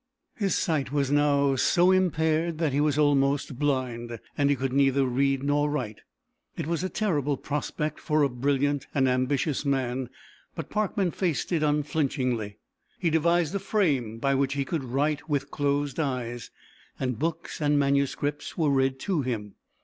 His sight was now so impaired that he was almost blind, and could neither read nor write. It was a terrible prospect for a brilliant and ambitious man, but Parkman faced it unflinchingly. He devised a frame by which he could write with closed eyes, and books and manuscripts were read to him.